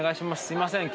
すいません